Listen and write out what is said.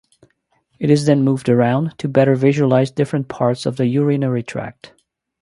It is then moved around to better visualise different parts of the urinary tract.